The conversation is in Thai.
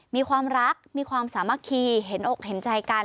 มีความรักมีความสามัคคีเห็นอกเห็นใจกัน